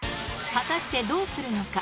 果たしてどうするのか？